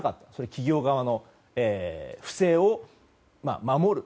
企業側の不正を守る。